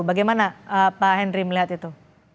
bagaimana pak henry melihat itu